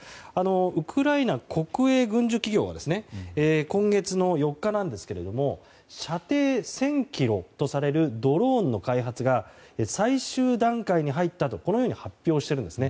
ウクライナ国営軍需企業は今月の４日なんですけれども射程１０００ｋｍとされるドローンの開発が最終段階に入ったとこのように発表しているんですね。